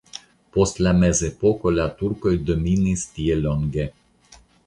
Post la mezepoko la turkoj dominis tie longe.